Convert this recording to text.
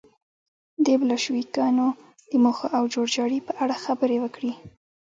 د بلشویکانو د موخو او جوړجاړي په اړه خبرې وکړي.